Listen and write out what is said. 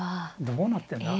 どうなってんだ？